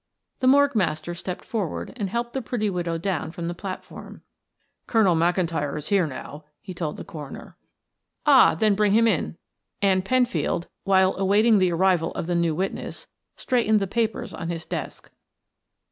The morgue master stepped forward and helped the pretty widow down from the platform. "Colonel McIntyre is here now," he told the coroner. "Ah, then bring him in," and Penfield, while awaiting the arrival of the new witness, straightened the papers on his desk.